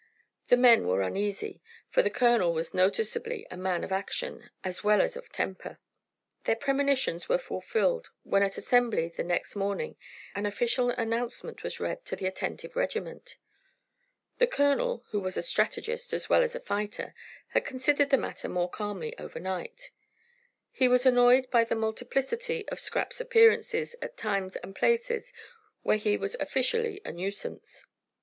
The men were uneasy, for the colonel was noticeably a man of action as well as of temper. Their premonitions were fulfilled when at assembly the next morning, an official announcement was read to the attentive regiment. The colonel, who was a strategist as well as a fighter, had considered the matter more calmly overnight. He was annoyed by the multiplicity of Scrap's appearances at times and places where he was officially a nuisance.